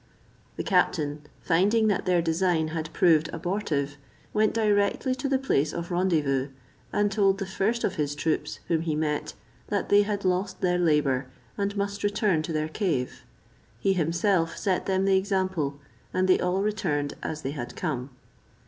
The captain, finding that their design had proved abortive, went directly to the place of rendezvous, and told the first of his troops whom he met that they had lost their labour, and must return to their cave. He himself set them the example, and they all returned as they had come.